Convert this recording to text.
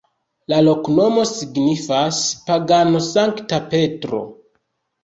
La loknomo signifas: pagano-Sankta Petro.